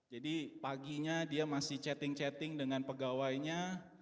jadi paginya dia masih chatting chatting dengan pegawainya